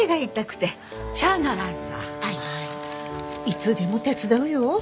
いつでも手伝うよ。